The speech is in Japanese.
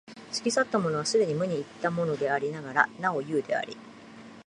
過ぎ去ったものは既に無に入ったものでありながらなお有であり、